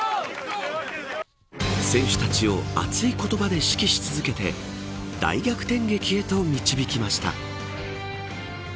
選手たちを熱い言葉で指揮し続けて大逆転劇へと導きました。